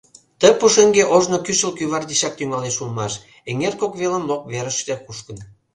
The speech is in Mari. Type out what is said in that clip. Ты пушеҥге ожно кӱшыл кӱвар дечак тӱҥалеш улмаш, эҥер кок велым лоп верыште кушкын.